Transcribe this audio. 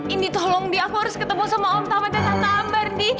ini tolong di aku harus ketemu sama om tama dan tante ambar di